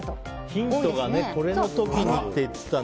ヒントがこれの時にって言ってたので。